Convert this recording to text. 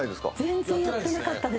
全然やってなかったです。